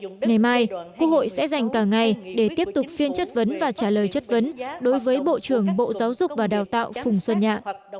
ngày mai quốc hội sẽ dành cả ngày để tiếp tục phiên chất vấn và trả lời chất vấn đối với bộ trưởng bộ giáo dục và đào tạo phùng xuân nhạ